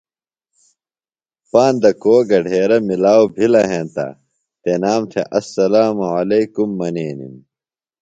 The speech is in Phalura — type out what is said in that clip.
پاندہ کو گڈھیرہ ملاؤ بِھلہ ہینتہ تنام تھےۡ اسلام علیکُم منینِم۔